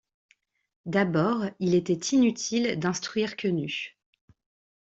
D’abord, il était inutile d’instruire Quenu.